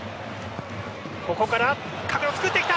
ここから壁を作ってきた。